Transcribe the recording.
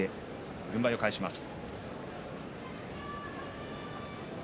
軍配を返します。